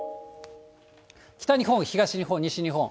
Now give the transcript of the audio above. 北日本、東日本、西日本。